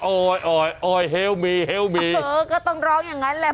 ออยอยออยเฮลมีเฮลมีเออก็ต้องร้องอย่างนั้นแหละ